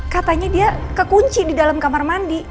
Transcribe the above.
katanya dia kekunci di dalam kamar mandi